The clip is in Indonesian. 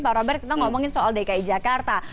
pak robert kita ngomongin soal dki jakarta